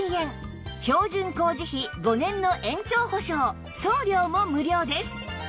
標準工事費５年の延長保証送料も無料です